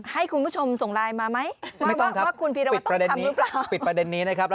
ให้คุณผู้ชมส่งไลน์มาไหม